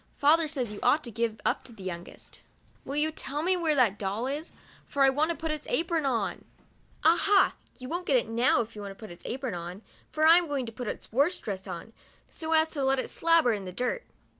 Father says you ought to give up to the youngest." " Will you tell me where that doll is, for I want to put its apron on 1 "" Ah, ha, you won't get it now, if you want to put its apron on, for I am going to put its worst dress on, so as to let it slabber in the dirt."